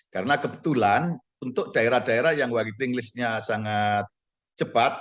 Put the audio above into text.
karena kebetulan untuk daerah daerah yang waiting listnya sangat cepat